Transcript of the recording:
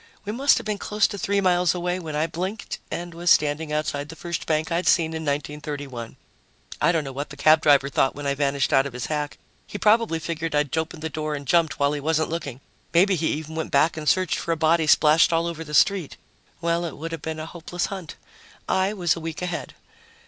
We must have been close to three miles away when I blinked and was standing outside the first bank I'd seen in 1931. I don't know what the cab driver thought when I vanished out of his hack. He probably figured I'd opened the door and jumped while he wasn't looking. Maybe he even went back and searched for a body splashed all over the street. Well, it would have been a hopeless hunt. I was a week ahead.